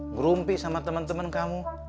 ngerumpi sama teman teman kamu